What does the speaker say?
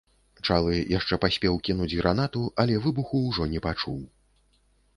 Чалы яшчэ паспеў кінуць гранату, але выбуху ўжо не пачуў.